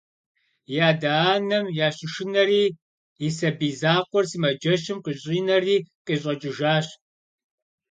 И адэ-анэм ящышынэри и сабий закъуэр сымаджэщым къыщӏинэри къыщӏэкӏыжащ.